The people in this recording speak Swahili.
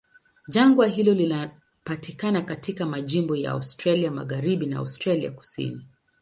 Jangwa hilo linapatikana katika majimbo ya Australia Magharibi na Australia Kusini.